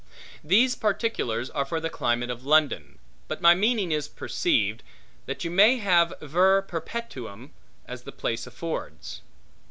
These particulars are for the climate of London; but my meaning is perceived, that you may have ver perpetuum, as the place affords.